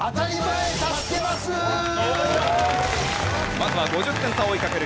まずは５０点差を追いかける